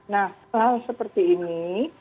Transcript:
nah hal seperti ini